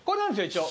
一応。